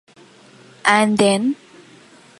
And then ...